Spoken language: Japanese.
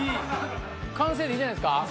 完成でいいんじゃないですか？